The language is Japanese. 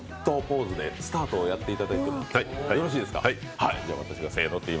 ポーズでスタートをやっていただいてよろしいですか？